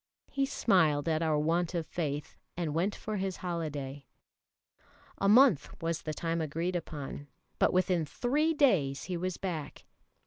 He smiled at our want of faith, and went for his holiday. A month was the time agreed upon, but within three days he was back.